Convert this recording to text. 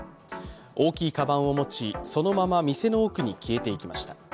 大きいかばんを持ち、そのまま店の奥に消えていきました。